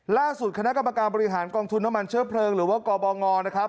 ล่าสุดคณะกรรมการบริหารกองทุนน้ำมันเชื้อเพลิงหรือว่ากบงนะครับ